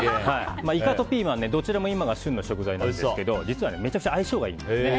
イカとピーマンはどちらも今が旬の食材ですが実はめちゃくちゃ相性がいいんです。